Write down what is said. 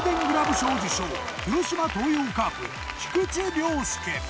広島東洋カープ菊池涼介。